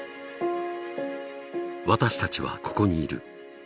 「私たちはここにいる。